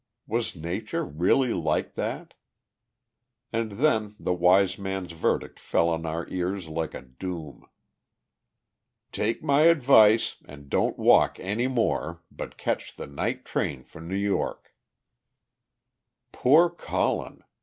Was Nature really like that? And then the wise man's verdict fell on our ears like a doom. "Take my advice, and don't walk any more, but catch the night train for New York." Poor Colin!